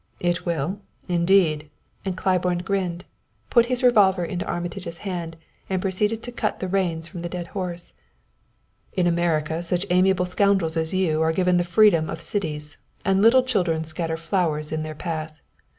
"It will, indeed," and Claiborne grinned, put his revolver into Armitage's hand, and proceeded to cut the reins from the dead horse. "In America such amiable scoundrels as you are given the freedom of cities, and little children scatter flowers in their path.